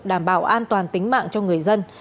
đảm bảo an toàn tính mạng cho người dân